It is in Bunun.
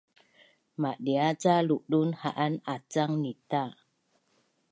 madia’ ca ludun ha’an acang nita’